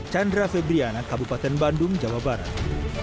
chandra febriana kabupaten bandung jawa barat